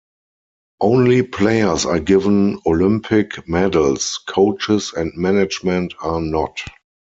Only players are given Olympic medals; coaches and management are not.